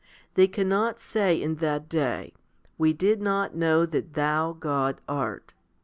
They cannot say in that day, "We did not know that Thou, God, art."